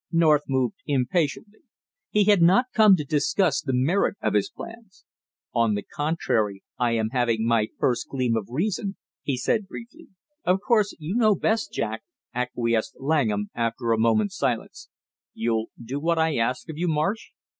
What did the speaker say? North moved impatiently. He had not come to discuss the merit of his plans. "On the contrary I am having my first gleam of reason," he said briefly. "Of course you know best, Jack," acquiesced Langham after a moment's silence. "You'll do what I ask of you, Marsh?"